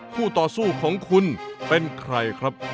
ต่อสู้ของคุณเป็นใครครับ